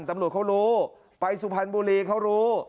ตำรวจเขารู้ไปสุพรรณบุรีเขารู้